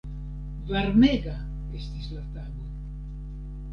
Varmega estis la tago.